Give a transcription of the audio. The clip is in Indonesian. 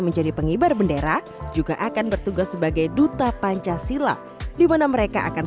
menjadi penghibar bendera juga akan bertugas sebagai duta pancasila di mana mereka akan